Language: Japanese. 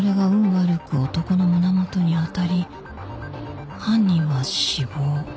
悪く男の胸元に当たり犯人は死亡